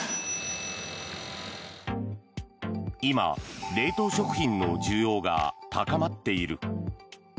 今、冷凍食品の需要が高まっている。